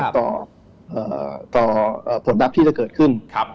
ต่อผลลัพธ์ที่จะเกิดขึ้น